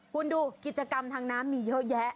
คุณดูกิจกรรมทางน้ำมีเยอะแยะ